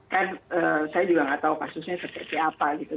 kan saya juga nggak tahu kasusnya seperti apa gitu